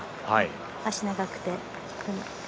足長くて。